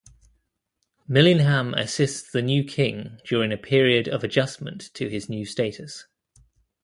Millingham assists the new king during a period of adjustment to his new status.